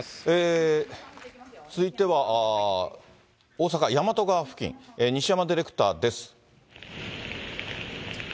続いては、大阪・やまと川付近、西山ディレクターです。